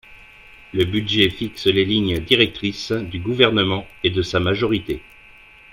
Le budget fixe les lignes directrices du Gouvernement et de sa majorité.